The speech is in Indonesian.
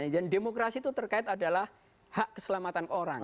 demokrasi itu terkait adalah hak keselamatan orang